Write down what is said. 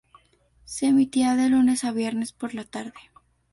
Se emitía de lunes a viernes por la tarde.